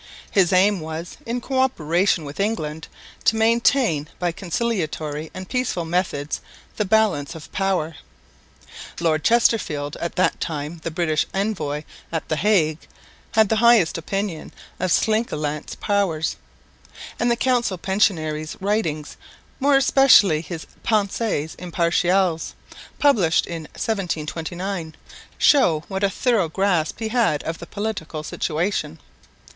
His aim was, in co operation with England, to maintain by conciliatory and peaceful methods the balance of power. Lord Chesterfield, at that time the British envoy at the Hague, had the highest opinion of Slingelandt's powers; and the council pensionary's writings, more especially his Pensées impartiales, published in 1729, show what a thorough grasp he had of the political situation.